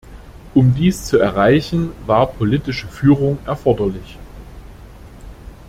Um dies zu erreichen, war politische Führung erforderlich.